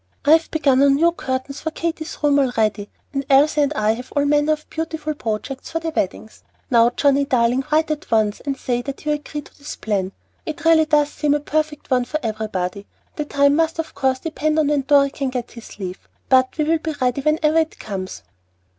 "I have begun on new curtains for Katy's room already, and Elsie and I have all manner of beautiful projects for the weddings. Now Johnnie darling, write at once and say that you agree to this plan. It really does seem a perfect one for everybody. The time must of course depend on when Dorry can get his leave, but we will be all ready whenever it comes."